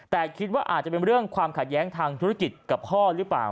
แต่คิดว่าอาจจะเป็นเรื่องความขัดแย้งทางธุรกิจกับพ่อหรือเปล่า